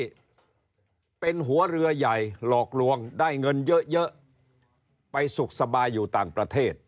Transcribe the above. ที่เป็นหัวเรือใหญ่หลอกลวงได้เงินเยอะเยอะไปสุขสบายอยู่ต่างประเทศ